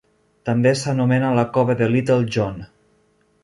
També s'anomena la Cova de Little John.